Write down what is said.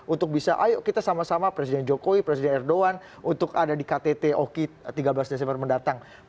untuk bisa ayo kita sama sama presiden jokowi presiden erdogan untuk ada di ktt oki tiga belas desember mendatang